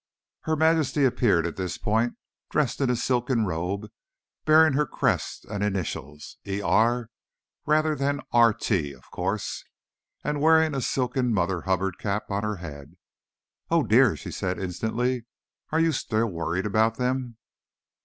Her Majesty appeared at this point, dressed in a silken robe bearing her crest and initials (E. R., rather than R. T., of course), and wearing a silken Mother Hubbard cap on her head. "Oh, dear," she said instantly. "Are you still worried about them?"